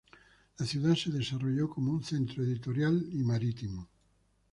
La ciudad se desarrolló como un centro editorial y marítimo.